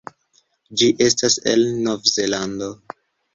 Ĝi estas el Novzelando.